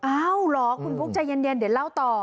อ้าวเหรอคุณฟุ๊กใจเย็นเดี๋ยวเล่าต่อ